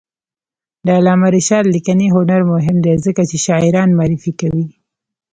د علامه رشاد لیکنی هنر مهم دی ځکه چې شاعران معرفي کوي.